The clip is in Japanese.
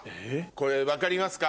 これ分かりますか？